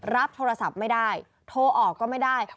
รับโทรศัพท์ไม่ได้โทรออกก็ไม่ได้